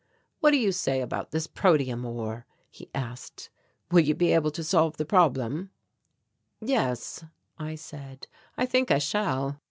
"What do you say about this protium ore?" he asked; "will you be able to solve the problem?" "Yes," I said, "I think I shall."